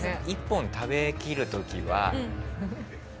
１本食べきる時は。